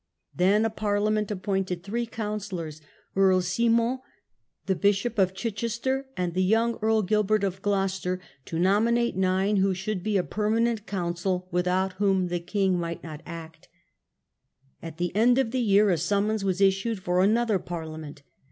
Then a parliament appointed three counsellors. Earl Simon, the Bishop of Chichester, and the young JEarl Gilbert of Gloucester, to nominate nine who should be a permanent council, without whom the king might not act At the end of the year a summons was issued for another parliament.